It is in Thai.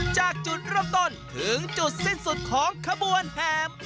จากจุดเริ่มต้นถึงจุดสิ้นสุดของขบวนแห่ม